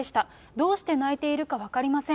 どうして泣いているか分かりません。